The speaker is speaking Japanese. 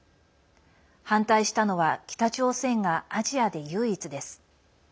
反対したのは北朝鮮がアジアで唯一です。